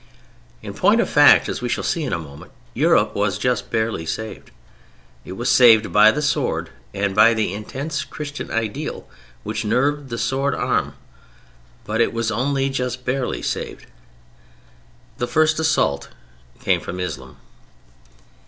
In point of fact, as we shall see in a moment, Europe was just barely saved. It was saved by the sword and by the intense Christian ideal which nerved the sword arm. But it was only just barely saved. The first assault came from Islam.